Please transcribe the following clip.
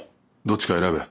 どっちか選べ。